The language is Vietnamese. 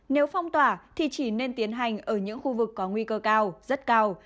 nếu phong tỏa thì chỉ nên tiến hành ở những khu vực có nguy cơ cao rất cao